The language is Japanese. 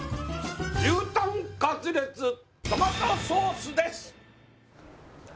牛舌カツレツトマトソースです。